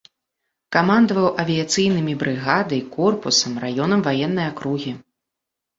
Камандаваў авіяцыйнымі брыгадай, корпусам, раёнам ваеннай акругі.